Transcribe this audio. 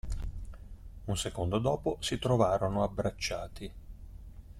Un secondo dopo si trovarono abbracciati.